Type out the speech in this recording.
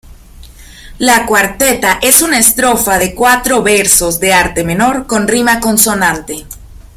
La cuarteta es una estrofa de cuatro versos de arte menor con rima consonante.